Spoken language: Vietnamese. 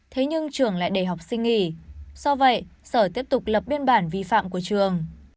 thế nhưng trường lại để học sinh nghỉ do vậy sở tiếp tục lập biên bản vi phạm của trường